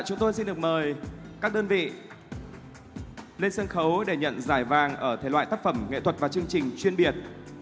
chúng tôi xin được mời các đơn vị lên sân khấu để nhận giải vàng ở thể loại tác phẩm nghệ thuật và chương trình chuyên biệt